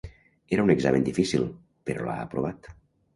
Era un examen difícil, però l'ha aprovat.